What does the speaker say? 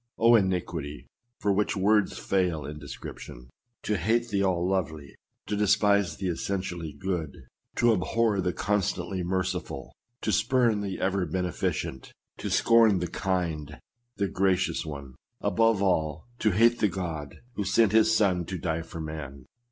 Oh! iniquity for which words fail in description ! To hate the all lovely — to despise the essentially good — to abhor the con stantly merciful — to spurn the ever beneficent — to scorn the land, the gracious one ; above all, to hate the God who sent his son to die for man